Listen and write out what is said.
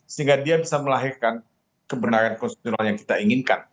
sehingga dia bisa melahirkan kebenaran konstitusional yang kita inginkan